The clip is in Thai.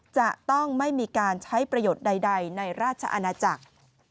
จะต้องไม่มีการใช้ประโยชน์ใดในราชอาณาจักร